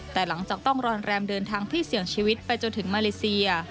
แต่หลังจากต้องรอนแรมเดินทางที่เสี่ยงชีวิตไปจนถึงมาเลเซีย